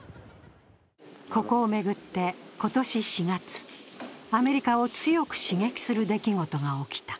ここを巡って今年４月、アメリカを強く刺激する出来事が起きた。